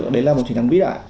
đấy là một người thằng vĩ đại